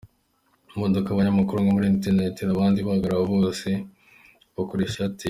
Mu modoka, abanyamakuru bamwe kuri internet abandi bahamagara bose barakoresha Airtel.